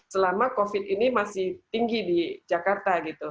selama covid ini masih tinggi di jakarta gitu